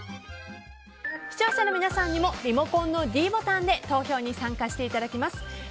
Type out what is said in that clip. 視聴者の皆さんにもリモコンのｄボタンで投票に参加していただきます。